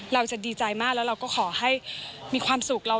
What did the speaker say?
เราจะดีใจมากแล้วเราก็ขอให้มีความสุข